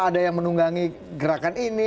ada yang menunggangi gerakan ini